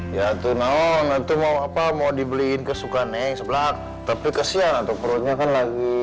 ya tuh neng itu mau apa mau dibeliin kesukaan neng sebelah tapi kesian atuh perutnya kan lagi